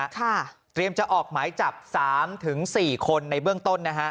เตรียมจะออกหมายจาก๓๔คนในเบื้องต้น